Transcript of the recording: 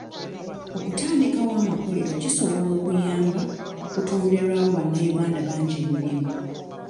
Okutandikawo amakolero kisobola okuyamba okutonderewo bannayuganda bangi emirimu.